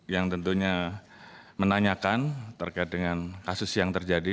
yang tentunya menanyakan terkait dengan kasus yang terjadi